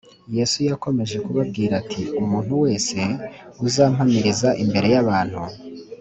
yesu yakomeje kubabwira ati, “umuntu wese uzampamiriza imbere y’abantu,